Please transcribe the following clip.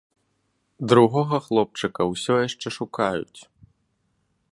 Другога хлопчыка ўсё яшчэ шукаюць.